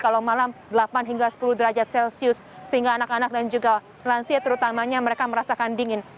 kalau malam delapan hingga sepuluh derajat celcius sehingga anak anak dan juga lansia terutamanya mereka merasakan dingin